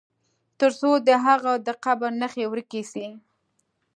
تر څو د هغه د قبر نښي ورکي سي.